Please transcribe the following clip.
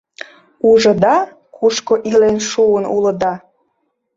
— Ужыда, кушко илен шуын улыда?